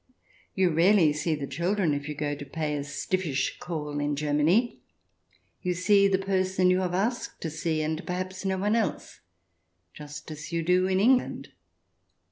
You rarely see the children if you go to pay a stiffish CH. Ill] SLEEPY HOLLOW 35 call in Germany. You see the person you have asked to see and perhaps no one else, just as you do in England.